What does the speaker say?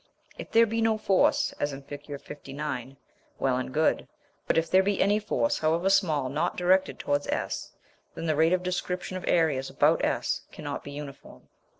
If there be no force, as in Fig. 59, well and good, but if there be any force however small not directed towards S, then the rate of description of areas about S cannot be uniform.